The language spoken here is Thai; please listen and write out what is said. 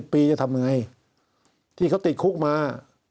๔๒๐ปีจะทำยังไงที่เขาติดคุกมา